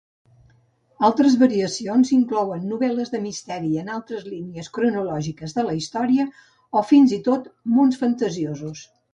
Altres variacions inclouen novel·les de misteri en altres línies cronològiques de la història o fins i tot mons fantasiosos.